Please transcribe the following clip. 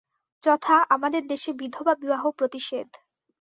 যথা, আমাদের দেশে বিধবা-বিবাহ-প্রতিষেধ।